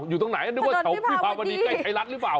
อยู่ตรงไหนนึกว่าแถววิภาวดีใกล้ไทยรัฐหรือเปล่า